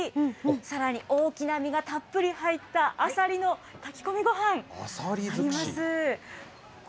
さらに、大きな身がたっぷり入ったあさりの炊き込みごはん、あります。